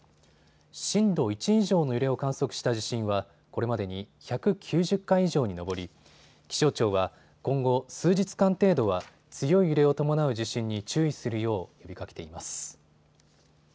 震度１以上の揺れを観測した地震はこれまでに１９０回以上に上り気象庁は今後、数日間程度は強い揺れを伴う地震に注意するよう呼びかけています。